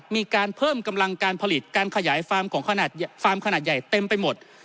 มีการเพิ่มกำลังการผลิตการขยายฟาร์มของขนาดฟาร์มขนาดใหญ่เต็มไปหมด